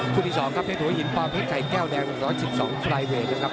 ที่๒ครับเพชรหัวหินปอเพชรไข่แก้วแดง๑๑๒ทรายเวทนะครับ